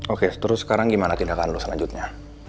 oke terus sekarang gimana tindakan lu selanjutnya